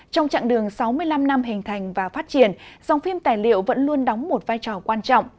trong chặng đường sáu mươi năm năm hình thành và phát triển dòng phim tài liệu vẫn luôn đóng một vai trò quan trọng